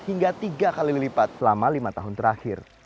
hingga tiga kali lipat selama lima tahun terakhir